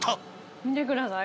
見てください。